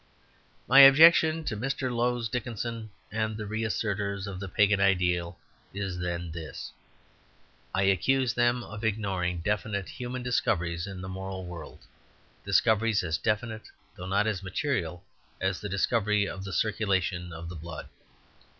My objection to Mr. Lowes Dickinson and the reassertors of the pagan ideal is, then, this. I accuse them of ignoring definite human discoveries in the moral world, discoveries as definite, though not as material, as the discovery of the circulation of the blood.